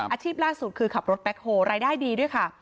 อาชีพล่าสุดคือขับรถแบ็คโฮรายได้ดีด้วยค่ะ